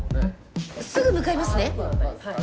すぐ向かいますね。